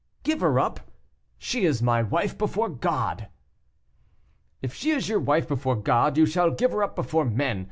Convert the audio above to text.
"Give her up! she is my wife before God " "If she is your wife before God, you shall give her up before men.